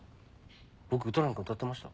僕歌なんか歌ってました？